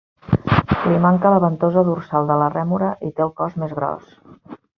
Li manca la ventosa dorsal de la rèmora i té el cos més gros.